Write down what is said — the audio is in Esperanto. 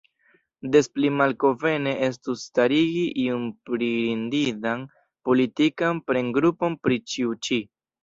Des pli malkonvene estus starigi iun priridindan politikan premgrupon pri ĉio ĉi.